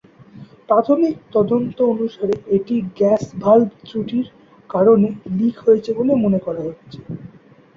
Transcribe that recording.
প্রাথমিক তদন্ত অনুসারে, একটি গ্যাস ভালভ ত্রুটির কারণে লিক হয়েছে বলে মনে করা হচ্ছে।